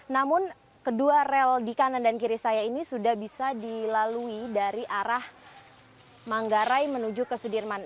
namun kedua rel di kanan dan kiri saya ini sudah bisa dilalui dari arah manggarai menuju ke sudirman